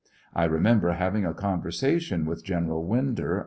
I remember having a conversation with General Winder.